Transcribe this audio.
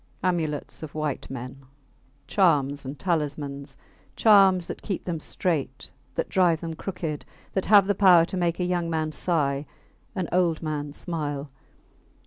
Amulets of white men! Charms and talismans! Charms that keep them straight, that drive them crooked, that have the power to make a young man sigh, an old man smile.